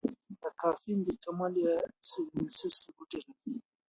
دا کافین د کمیلیا سینینسیس له بوټي راځي.